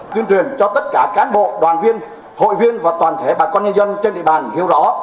tuyên truyền cho tất cả cán bộ đoàn viên hội viên và toàn thể bà con nhân dân trên địa bàn hiểu rõ